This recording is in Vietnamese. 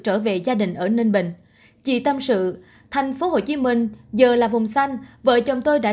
cho gia đình ở ninh bình chị tâm sự thành phố hồ chí minh giờ là vùng xanh vợ chồng tôi đã